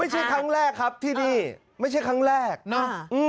ไม่ใช่ครั้งแรกครับที่ดีไม่ใช่ครั้งแรกเนาะ